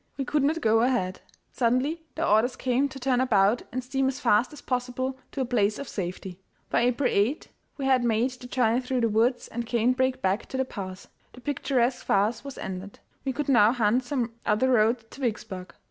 We could not go ahead. Suddenly the orders came to turn about and steam as fast as possible to a place of safety. By April 8 we had made the journey through the woods and cane brake back to the pass. The picturesque farce was ended. We could now hunt some other road to Vicksburg.